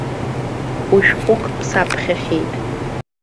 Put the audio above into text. Ушәҟәык саԥхьахьеит.